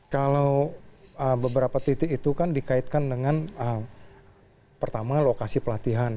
kalau beberapa titik itu kan dikaitkan dengan pertama lokasi pelatihan